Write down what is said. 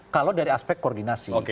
kalau dari aspek koordinasi